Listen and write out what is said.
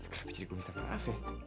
kenapa jadi gue minta maaf ya